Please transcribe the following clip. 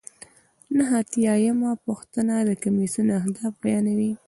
نهه اتیا یمه پوښتنه د کمیسیون اهداف بیانوي.